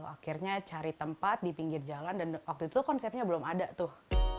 akhirnya cari tempat di pinggir jalan dan waktu itu konsepnya belum ada tuh